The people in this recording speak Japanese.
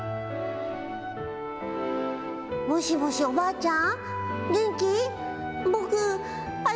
もしもし、おばあちゃん。